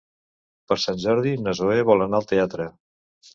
Per Sant Jordi na Zoè vol anar al teatre.